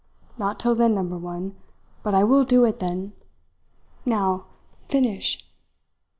Not till then, Number One, but I will do it then. Now finish!'